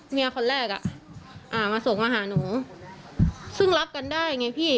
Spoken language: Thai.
เมียคนแรกอ่ะอ่ามาส่งมาหาหนูซึ่งรับกันได้ไงพี่